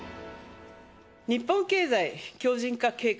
日本経済強靭化計画。